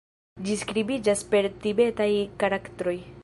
Ĝi skribiĝas per tibetaj karaktroj.